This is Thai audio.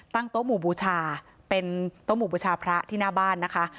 โต๊ะหมู่บูชาเป็นโต๊ะหมู่บูชาพระที่หน้าบ้านนะคะ